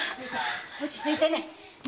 落ち着いてね。